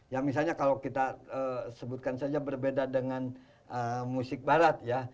ya misalnya kalau kita sebutkan saja berbeda dengan musik barat ya